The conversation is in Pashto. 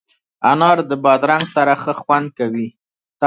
انار د بادرنګ سره ښه خوند کوي.